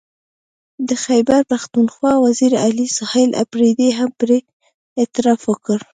د خیبر پښتونخوا وزیر اعلی سهیل اپريدي هم پرې اعتراف وکړ